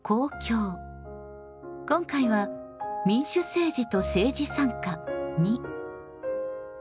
今回は「民主政治と政治参加②」。